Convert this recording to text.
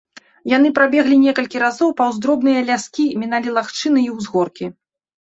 Яны прабеглі некалькі разоў паўз дробныя ляскі, міналі лагчыны і ўзгоркі.